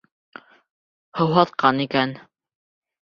Һыуһатҡан икән.